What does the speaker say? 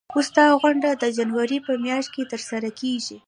اوس دا غونډه د جنوري په میاشت کې ترسره کیږي.